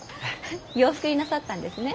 洋服になさったんですね。